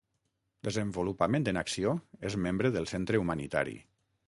Desenvolupament en Acció és membre del centre humanitari.